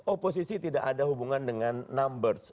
oposisi tidak ada hubungan dengan numbers